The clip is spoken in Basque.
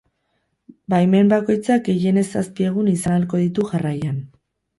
Baimen bakoitzak gehienez zazpi egun izan ahalko ditu jarraian.